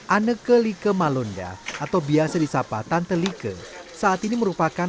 aneka like malonda atau biasa disapa tante like saat ini merupakan